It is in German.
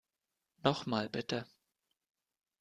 Noch mal, bitte.